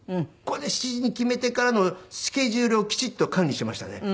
これで７時に決めてからのスケジュールをきちっと管理しましたね。